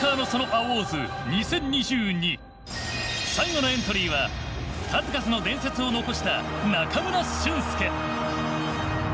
最後のエントリーは数々の伝説を残した中村俊輔。